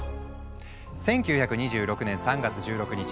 １９２６年３月１６日